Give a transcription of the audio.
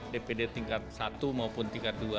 dpd tingkat satu maupun tingkat dua